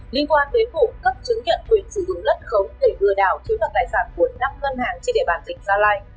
liên quan đến phủ cấp chứng kiện quyền sử dụng lất khống để vừa đảo thiếu mặt tài sản của năm ngân hàng trên địa bàn tỉnh gia lai